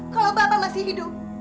kalau bapak masih hidup